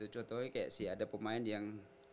contohnya kayak si ada pemain yang